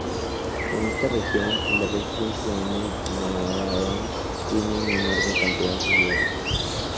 En esta región, la religión Suami Naraian tienen una enorme cantidad de seguidores.